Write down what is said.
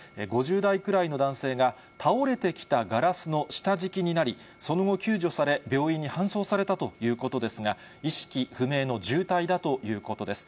５０代くらいの男性が、倒れてきたガラスの下敷きになり、その後救助され、病院に搬送されたということですが、意識不明の重体だということです。